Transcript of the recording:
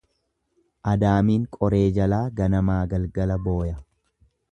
Adaamiin qoree jalaa ganamaa galgala booya.